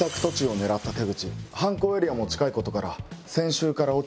犯行エリアも近いことから。